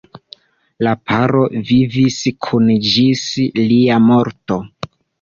La paro vivis kune ĝis lia morto.